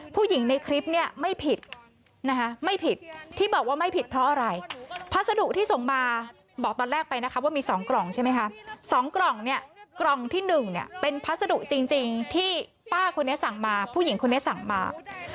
เป็นพัสดุจริงที่ป้าคนนี้สั่งมาผู้หญิงคนนี้สั่งมา